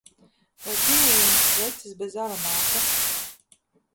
Vai pieejamas sveces bez aromāta?